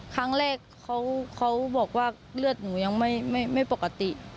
เขาบอกว่าเลือดหนูยังไม่ปกติ